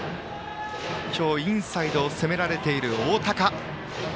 今日、インサイドを攻められている大高。